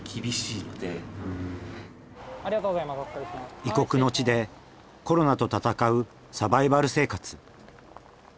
異国の地でコロナと戦うサバイバル生活。